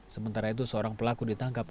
sementara itu seorang pelaku ditangkap